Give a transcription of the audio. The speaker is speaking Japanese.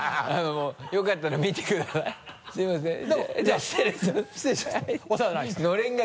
よかったら見てください